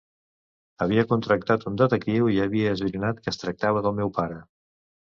Havia contractat un detectiu i havia esbrinat que es tractava del meu pare.